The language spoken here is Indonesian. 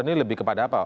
ini lebih kepada apa pak